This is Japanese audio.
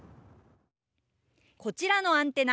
こちらのアンテナ。